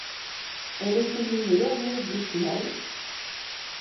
Elle est élue meilleure joueuse des Finales.